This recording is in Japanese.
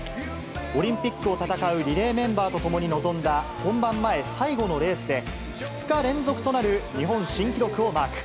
オリンピックを戦うリレーメンバーと共に臨んだ、本番前最後のレースで、２日連続となる日本新記録をマーク。